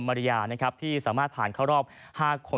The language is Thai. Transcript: มาริยานะครับที่สามารถผ่านเข้ารอบ๕คน